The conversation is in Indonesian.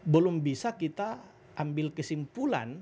belum bisa kita ambil kesimpulan